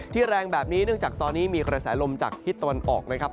แรงแบบนี้เนื่องจากตอนนี้มีกระแสลมจากทิศตะวันออกนะครับ